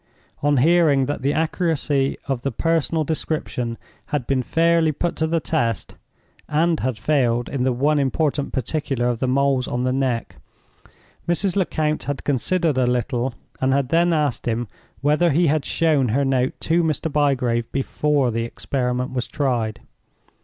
On hearing that the accuracy of the personal description had been fairly put to the test, and had failed in the one important particular of the moles on the neck, Mrs. Lecount had considered a little, and had then asked him whether he had shown her note to Mr. Bygrave before the experiment was tried.